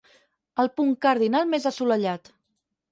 El punt cardinal més assolellat.